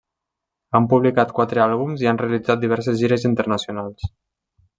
Han publicat quatre àlbums i han realitzat diverses gires internacionals.